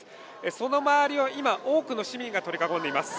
その周りは今多くの市民が取り囲んでいます